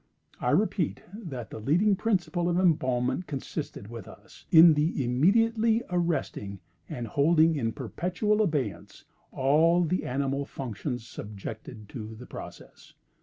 I repeat that the leading principle of embalmment consisted, with us, in the immediately arresting, and holding in perpetual abeyance, all the animal functions subjected to the process.